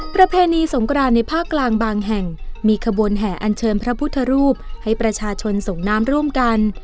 ประเพณีสงกรานในภาคกลางบางแห่งมีขบวนแห่อันเชิญพระพุทธรูปให้ประชาชนส่งน้ำร่วมกัน